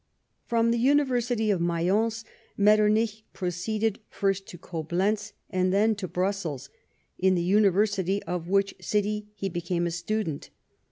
From the University of Mayence, Metternich proceeded, first to Coblentz, and then to Brussels, in the University of which city he became a student.